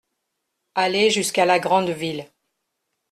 Aller jusqu’à la grande ville.